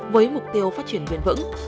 với mục tiêu phát triển nguyên vững